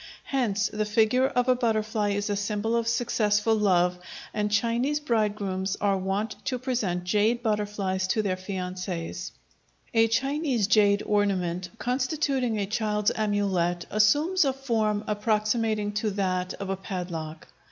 Hence the figure of a butterfly is a symbol of successful love, and Chinese bridegrooms are wont to present jade butterflies to their fiancées. A Chinese jade ornament constituting a child's amulet assumes a form approximating to that of a padlock.